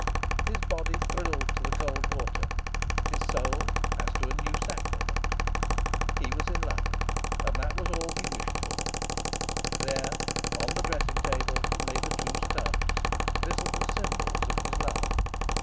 His body thrilled to the cold water, his soul as to a new sacrament. He was in love, and that was all he wished for... There, on the dressing table, lay the two studs, visible symbols of his love.